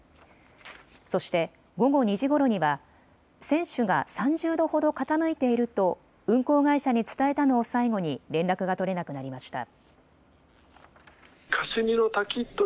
そして午後２時ごろには船首が３０度ほど傾いていると運航会社に伝えたのを最後に連絡が取れなくなりました。